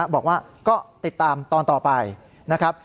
บอกว่าก็ติดตามตอนต่อไปนะครับ